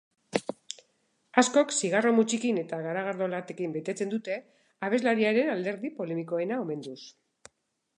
Askok zigarro-mutxikin eta garagardo latekin betetzen dute, abeslariaren alderdi polemikoena omenduz.